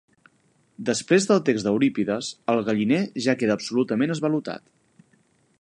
Després del text d'Eurípides, el galliner ja queda absolutament esvalotat.